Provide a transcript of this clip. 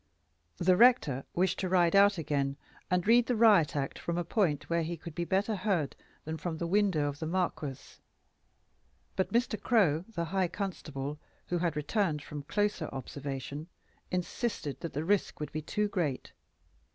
The rector wished to ride out again, and read the Riot Act from a point where he could be better heard than from the window of the Marquis; but Mr. Crow, the high constable, who had returned from closer observation, insisted that the risk would be too great.